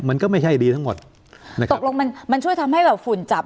มันก็ไม่ใช่ดีทั้งหมดนะครับตกลงมันมันช่วยทำให้แบบฝุ่นจับ